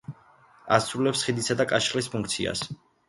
ასრულებს ხიდისა და კაშხლის ფუნქციას.